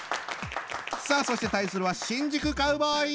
さあそして対するは新宿カウボーイ！